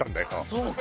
そうか！